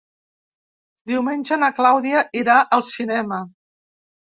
Diumenge na Clàudia irà al cinema.